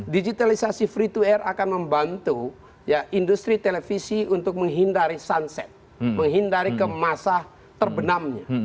digitalisasi free to air akan membantu industri televisi untuk menghindari sunset menghindari ke masa terbenamnya